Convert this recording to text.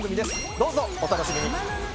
どうぞお楽しみに。